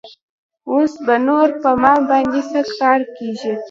اوس به نور پر ما باندې څه کار کيږي.